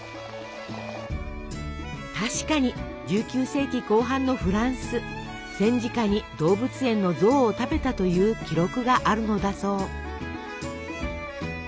確かに１９世紀後半のフランス戦時下に動物園の象を食べたという記録があるのだそう。